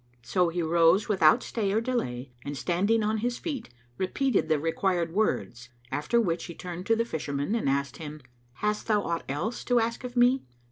So he rose without stay or delay and standing on his feet, repeated the required words; after which he turned to the Fisherman and asked him, "Hast thou aught else to ask of me?"